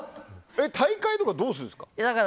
大会とかどうするんですか？